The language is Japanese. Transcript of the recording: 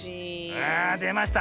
あでました。